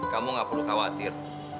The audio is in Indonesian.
kamu gak perlu khawatir